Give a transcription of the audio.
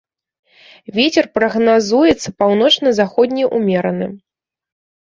Вецер прагназуецца паўночна-заходні ўмераны.